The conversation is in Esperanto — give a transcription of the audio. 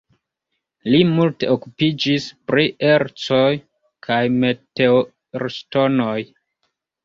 Li multe okupiĝis pri ercoj kaj meteorŝtonoj.